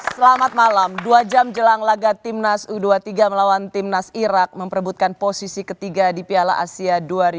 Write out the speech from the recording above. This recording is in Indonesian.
selamat malam dua jam jelang laga timnas u dua puluh tiga melawan timnas irak memperebutkan posisi ketiga di piala asia dua ribu dua puluh